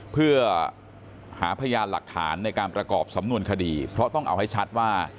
เพื่อหาพยานหลักฐานในการประกอบสำนวนคดีเพราะต้องเอาให้ชัดว่า